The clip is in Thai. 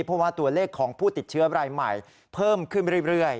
เพราะว่าตัวเลขของผู้ติดเชื้อรายใหม่เพิ่มขึ้นไปเรื่อย